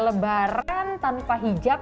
lebaran tanpa hijab